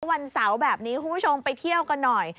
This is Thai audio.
วันเสาร์แบบนี้คุณผู้ชมไปเที่ยวกันหน่อย